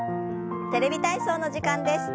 「テレビ体操」の時間です。